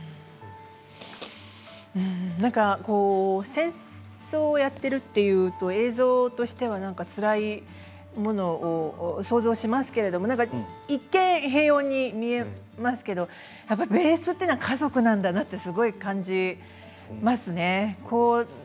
戦争をやっているというと映像としてはつらいものを想像しますけれど一見、平穏に見えますけどベースというのは家族なんだということを感じますね。